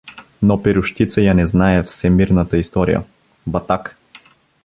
Но Перущица я не знае всемирната история… Батак!